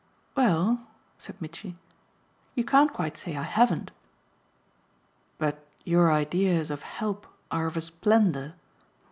"Well," said Mitchy, "you can't quite say I haven't." "But your ideas of help are of a splendour